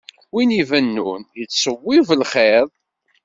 Win ibennun yettṣewwib lxiḍ.